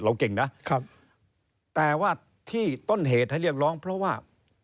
เก่งนะครับแต่ว่าที่ต้นเหตุให้เรียกร้องเพราะว่า